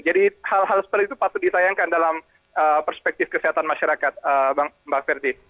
jadi hal hal seperti itu patut disayangkan dalam perspektif kesehatan masyarakat mbak ferdie